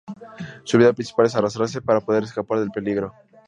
Su habilidad principal es arrastrarse para poder escapar del peligro.